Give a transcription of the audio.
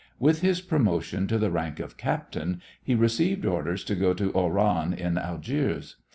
With his promotion to the rank of captain he received orders to go to Oran in Algiers.